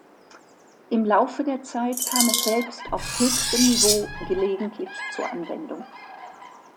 Im Laufe der Zeit kam es selbst auf höchstem Niveau gelegentlich zur Anwendung.